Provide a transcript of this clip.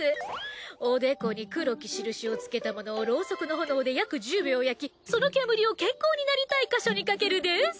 「おでこに黒き印をつけたものをロウソクの炎で約１０秒焼きその煙を健康になりたい箇所にかける」です。